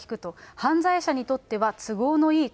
犯罪者にとっては都合のいい国。